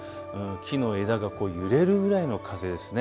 木の枝がこう揺れるぐらいの風ですね。